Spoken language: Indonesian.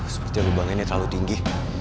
seperti lubang ini terlalu tinggi